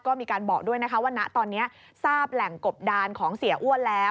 ก็มีการบอกด้วยนะคะว่าณตอนนี้ทราบแหล่งกบดานของเสียอ้วนแล้ว